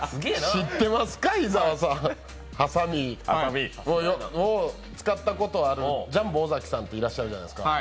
知ってますか、伊沢さん、ハサミ、使ったことある、ジャンボ尾崎さんっていらっしゃるじゃないですか。